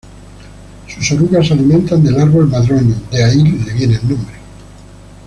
Sus orugas se alimentan del árbol madroño, de ahí le viene el nombre.